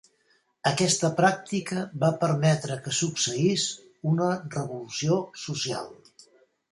Aquesta pràctica va permetre que succeís una revolució social.